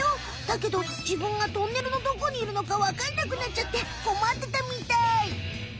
だけどじぶんがトンネルのどこにいるのかわかんなくなっちゃってこまってたみたい。